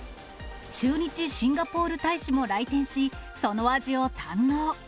駐日シンガポール大使も来店し、その味を堪能。